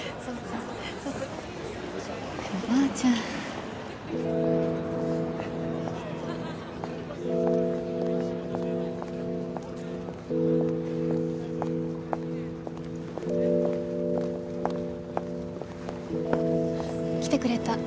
おばあちゃん。来てくれた。